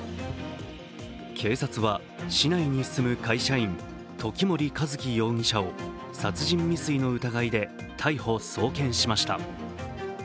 警察は、市内に住む会社員、時森一輝容疑者を殺人未遂の疑いで逮捕・送検しました。